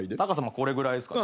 これぐらいっすかね。